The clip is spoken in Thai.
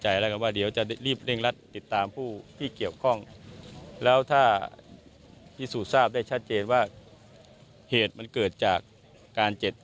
ว่าเดี๋ยวจะรีบเร่งรัดติดตามผู้ที่เกี่ยวข้องแล้วถ้าพิสูจน์ทราบได้ชัดเจนว่าเหตุมันเกิดจากการเจ็บ